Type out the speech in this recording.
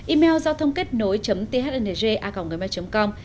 email giao thông kết nối thng com